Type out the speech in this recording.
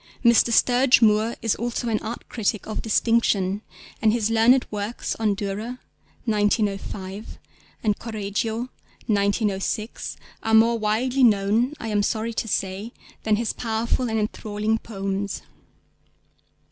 Mr. Sturge Moore is also an art critic of distinction, and his learned works on Dürer (1905) and Correggio (1906) are more widely known (I am sorry to say) than his powerful and enthralling poems.